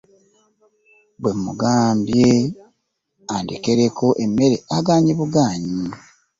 Bwe mmugambye andekereko emmere agaanyi bugaanyi.